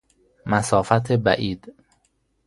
مسافت بعید